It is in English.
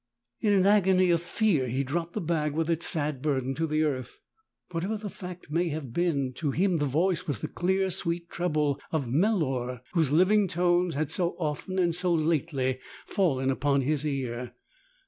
In an agony of fear he dropped the bag with its sad burden to the earth. Whatever the fact may have been, to him the voice was the clear, sweet treble of Melor, whose living tones had so often and so lately fallen upon his ear.